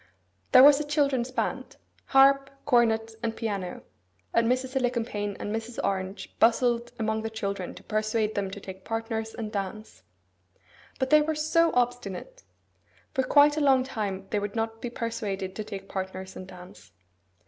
There was a children's band,—harp, cornet, and piano,—and Mrs. Alicumpaine and Mrs. Orange bustled among the children to persuade them to take partners and dance. But they were so obstinate! For quite a long time they would not be persuaded to take partners and dance.